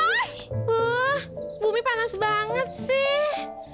wah bumi panas banget sih